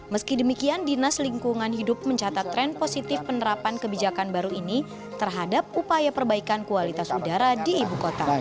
meski demikian dinas lingkungan hidup mencatat tren positif penerapan kebijakan baru ini terhadap upaya perbaikan kualitas udara di ibu kota